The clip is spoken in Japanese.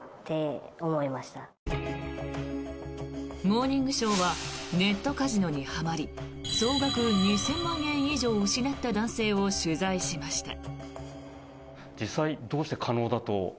「モーニングショー」はネットカジノにはまり総額２０００万円以上失った男性を取材しました。